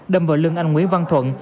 đâm vào lưng anh nguyễn văn thuận